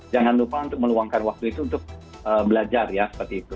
jangan lupa untuk meluangkan waktu itu untuk belajar ya seperti itu